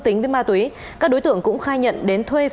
hẹn gặp lại các bạn trong những video tiếp theo